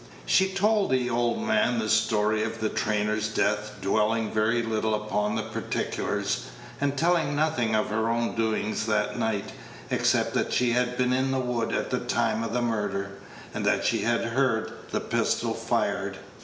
She told the old man the story of the trainer's death, dwelling very little upon the particulars, and telling nothing of her own doings that night, except that she had been in the wood at the time of the murder, and that she had heard the pistol fired.